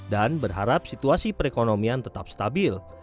dan berharap situasi perekonomian tetap stabil